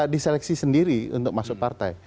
diseleksi sendiri untuk masuk partai